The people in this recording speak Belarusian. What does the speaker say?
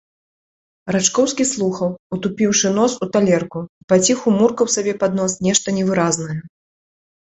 Рачкоўскі слухаў, утупіўшы нос у талерку, і паціху муркаў сабе пад нос нешта невыразнае.